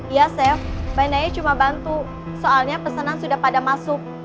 iya chef bandanya cuma bantu soalnya pesanan sudah pada masuk